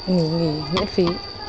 ngủ nghỉ nguyễn phí